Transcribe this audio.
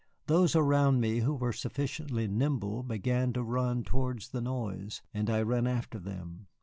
Those around me who were sufficiently nimble began to run towards the noise, and I ran after them.